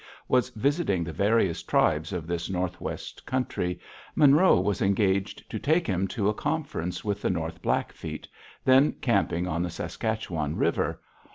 was visiting the various tribes of this Northwest country, Monroe was engaged to take him to a conference with the North Blackfeet, then camping on the Saskatchewan River.